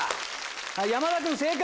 山田君正解！